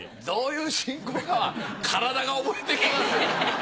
どういう進行かは体が覚えてきます。